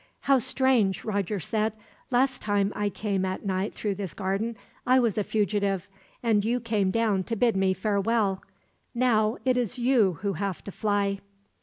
"How strange," Roger said. "Last time I came at night through this garden I was a fugitive, and you came down to bid me farewell. Now it is you who have to fly!"